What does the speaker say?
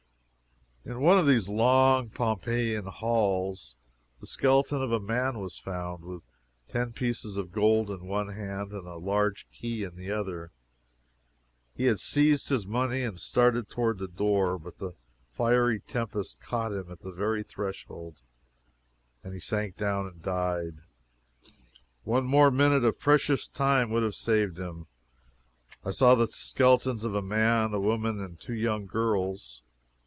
In one of these long Pompeiian halls the skeleton of a man was found, with ten pieces of gold in one hand and a large key in the other. He had seized his money and started toward the door, but the fiery tempest caught him at the very threshold, and he sank down and died. One more minute of precious time would have saved him. I saw the skeletons of a man, a woman, and two young girls.